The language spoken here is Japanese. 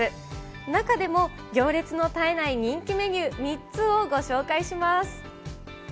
中でも行列の絶えない人気メニュー３つをご紹介します。